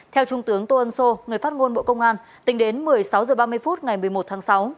theo trung tướng tô ân sô người phát ngôn bộ công an tính đến một mươi sáu h ba mươi phút ngày một mươi một tháng sáu